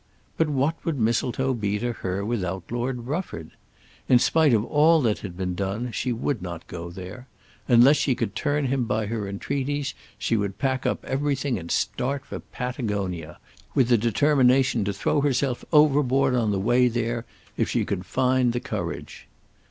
But what would Mistletoe be to her without Lord Rufford? In spite of all that had been done she would not go there. Unless she could turn him by her entreaties she would pack up everything and start for Patagonia, with the determination to throw herself overboard on the way there if she could find the courage.